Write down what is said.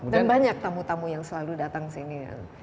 dan banyak tamu tamu yang selalu datang sini ya